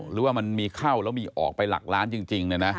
หรือว่ามันมีเข้าแล้วมีออกไปหลักล้านจริง